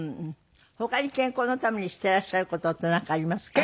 他に健康のためにしていらっしゃる事ってなんかありますか？